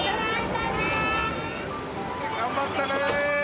頑張ってね！